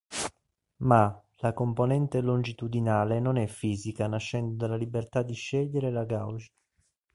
Ma, la componente longitudinale non è fisica nascendo dalla libertà di scegliere la gauge.